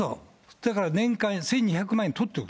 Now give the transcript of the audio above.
だから年間１２００万円取っておく。